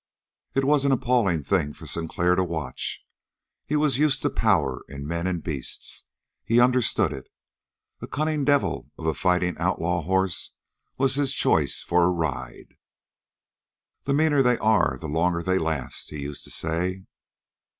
It was an appalling thing for Sinclair to watch. He was used to power in men and beasts. He understood it. A cunning devil of a fighting outlaw horse was his choice for a ride. "The meaner they are, the longer they last," he used to say.